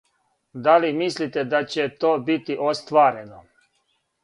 Да ли мислите да ће то бити остварено?